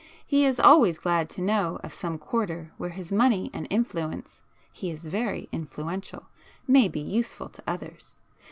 He is always glad to know of some quarter where his money and influence (he is very influential) may be useful to others.